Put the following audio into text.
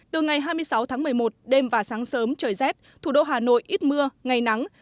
từ ngày hai mươi sáu tháng một mươi một đêm và sáng sớm trời rét thủ đô hà nội ít mưa ngày nắng